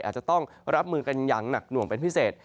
อาจจะต้องรับมือกันอย่างหนักหน่วงเป็นพิเศษ